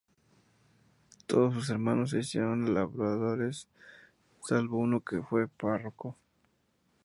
Todos sus hermanos se hicieron labradores salvo uno que fue párroco.